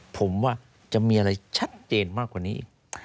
ผมว่าจะมีอะไรชัดเจนมากกว่านี้อีก